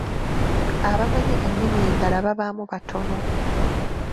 Abamanyi ennimi endala babaamu batono.